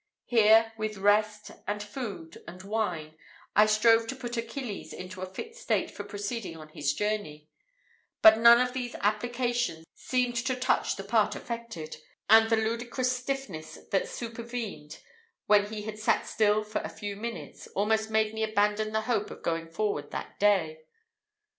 Here, with rest, and food, and wine, I strove to put Achilles into a fit state for proceeding on his journey; but none of these applications seemed to touch the part affected, and the ludicrous stiffness that supervened when he had sat still for a few minutes, almost made me abandon the hope of going forward that day.